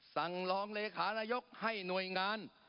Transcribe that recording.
รองเลขานายกให้หน่วยงาน